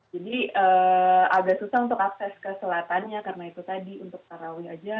jadi agak susah untuk akses ke selatannya karena itu tadi untuk taraweh saja